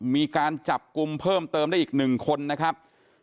มีการจับกลุ่มเพิ่มเติมได้อีก๑คนนะครับ